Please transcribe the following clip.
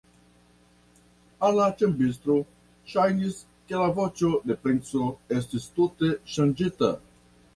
Al la ĉambristo ŝajnis, ke la voĉo de la princo estis tute ŝanĝita.